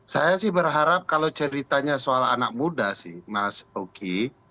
saya sih berharap kalau ceritanya soal anak muda sih mas oki